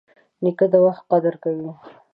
نیکه د وخت قدر کوي.